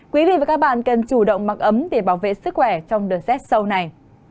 quý vị và các bạn cần chủ động mặc ấm để bảo vệ sức khỏe trong đợt rét sâu này